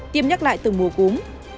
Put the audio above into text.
tiêm nhắc lại từng mùa cúm